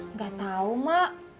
nggak tau mak